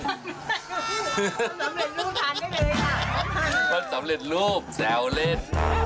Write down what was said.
สำเร็จรูปทานได้เลยค่ะถ้าสำเร็จรูปแซวเล่น